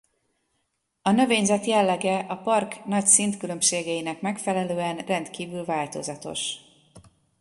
A növényzet jellege a park nagy szintkülönbségeinek megfelelően rendkívül változatos.